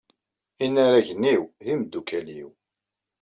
Inaragen-inu d imeddukal-inu.